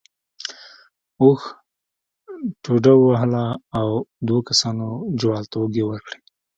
اوښ ټوډه ووهله او دوو کسانو جوال ته اوږې ورکړې.